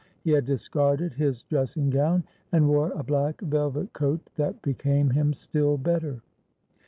He had discarded his dressing gown, and wore a black velvet coat that became him still better.